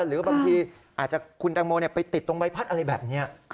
หรือบางทีอาจจะคุณแตงโมไปติดตรงใบพัดอะไรแบบนี้